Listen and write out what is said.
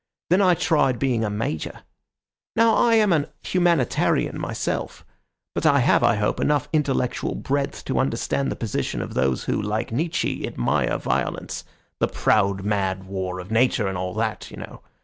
Then I tried being a major. Now I am a humanitarian myself, but I have, I hope, enough intellectual breadth to understand the position of those who, like Nietzsche, admire violence—the proud, mad war of Nature and all that, you know.